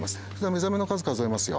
目覚めの数数えますよ